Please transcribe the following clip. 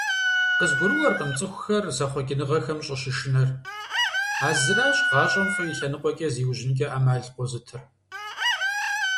КъызгурыӀуэркъым цӀыхухэр зэхъуэкӀыныгъэхэм щӀыщышынэр, а зыращ гъащӀэм фӏы и лъэнукъуэкӏэ зиужьынкӏэ Ӏэмал къозытыр.